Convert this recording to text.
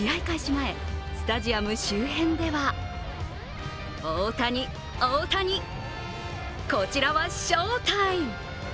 前、スタジアム周辺では大谷、大谷、こちらはショータイム。